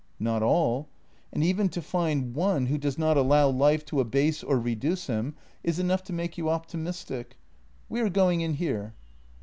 " Not all. And even to find one who does not allow life to abase or reduce him is enough to make you optimistic. We are going in here."